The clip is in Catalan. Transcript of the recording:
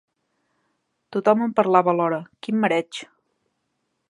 Tothom em parlava alhora: quin mareig!